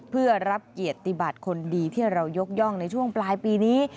เพื่อรับเกียรติบัติคนดีที่เรายกย่องในช่วงปลายปีนี้